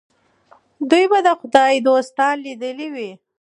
دوی به د خدای دوستان لیدلي وي.